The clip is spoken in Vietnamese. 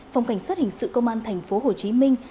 phòng cảnh sát hình sự công an thành phố hồ chí minh